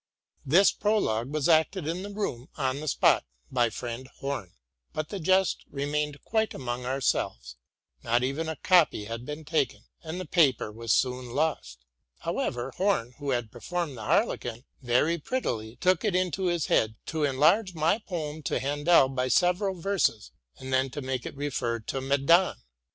This prologue was acted in the room, on the spot, by friend Horny but the jest remained quite among ourselyes, not even a copy had been taken ; and the paper was soon lost. However, Horn, who had performed the Harlequin very prettily, took it into his head to enlarge my poem to Hendel by several verses, and then to make it refer to ''Medon.